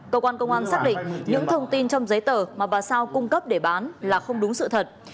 cơ quan công an xác định những thông tin trong giấy tờ mà bà sao cung cấp để bán là không đúng sự thật